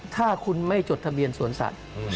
ถ้าคุณไม่จดทะเบียนสวนสัตว์